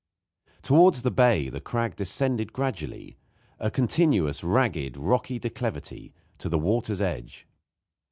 Towards the bay the crag descended gradually a continuous ragged, rocky declivity to the water's edge.